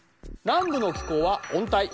南部の気候は温帯。